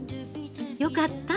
よかった。